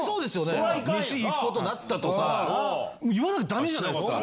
メシに行くことになったとか言わなきゃダメじゃないですか。